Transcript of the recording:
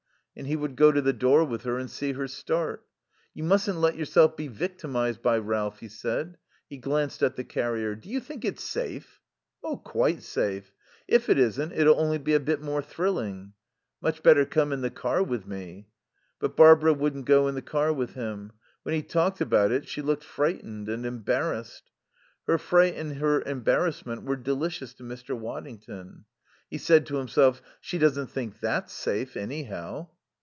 And he would go to the door with her and see her start. "You mustn't let yourself be victimized by Ralph," he said. He glanced at the carrier. "Do you think it's safe?" "Quite safe. If it isn't it'll only be a bit more thrilling." "Much better to come in the car with me." But Barbara wouldn't go in the car with him. When he talked about it she looked frightened and embarrassed. Her fright and her embarrassment were delicious to Mr. Waddington. He said to himself: "She doesn't think that's safe, anyhow."